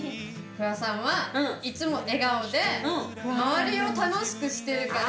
フワさんはいつも笑顔で周りを楽しくしてるから。